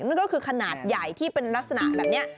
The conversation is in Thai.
นั่นก็คือขนาดใหญ่ที่เป็นลักษณะแบบนี้